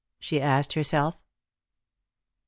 " she asked herself.